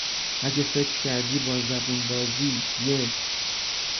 اگه فکر کردی با زبون بازی یه